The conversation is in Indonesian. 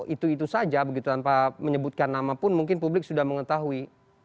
itu itu saja begitu tanpa menyebutkan nama pun mungkin publik sudah mengetahui